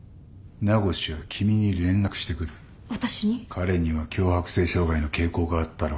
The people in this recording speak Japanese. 彼には強迫性障害の傾向があったろ。